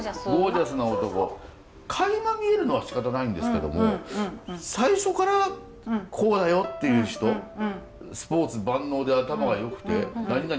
かいま見えるのはしかたないんですけども最初からこうだよっていう人スポーツ万能で頭がよくて何々